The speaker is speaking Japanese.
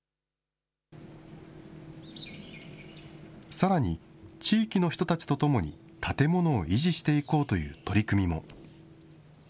さらに、地域の人たちと共に建物を維持していこうという取り組みも。